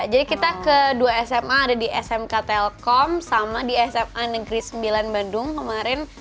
jadi kita ke dua sma ada di smk telkom sama di sma negeri sembilan bandung kemarin